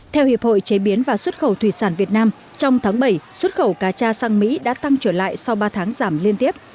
theo hiệp hội chế biến và xuất khẩu thủy sản việt nam trong tháng bảy xuất khẩu cà cha sang mỹ đã tăng trở lại sau ba tháng giảm liên tiếp